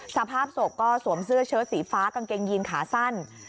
สภาพศพก็สวมเสื้อเชิดสีฟ้ากางเกงยีนขาสั้น